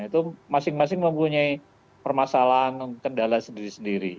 itu masing masing mempunyai permasalahan kendala sendiri sendiri